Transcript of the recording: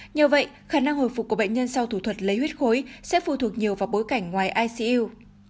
nhờ vậy khả năng hồi phục của bệnh nhân sau thủ thuật lấy huyết khối sẽ phụ thuộc nhiều vào bối cảnh ngoài icu